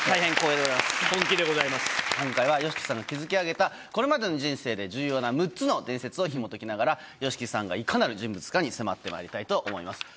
今回はＹＯＳＨＩＫＩさんの築き上げたこれまでの人生で重要な６つの伝説をひもときながらＹＯＳＨＩＫＩさんがいかなる人物かに迫ってまいりたいと思います。